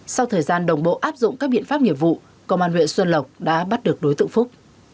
sau thời gian đồng bộ áp dụng các biện pháp nghiệp vụ công an huyện xuân lộc đã bắt được đối tượng phúc